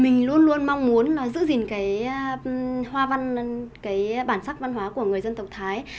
mình luôn luôn mong muốn là giữ gìn cái hoa văn cái bản sắc văn hóa của người dân tộc thái